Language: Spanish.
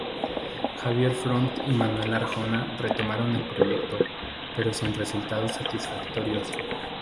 Xavier Font y Manuel Arjona retomaron el proyecto, pero sin resultados satisfactorios.